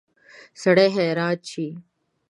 سړی حیران شي.